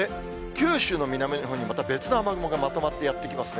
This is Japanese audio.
九州の南のほうに、また別の雨雲がまとまってやって来ますね。